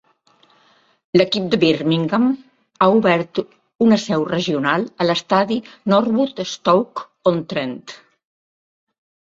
L'equip de Birmingham ha obert una seu regional a l'estadi Northwood d'Stoke-on-Trent.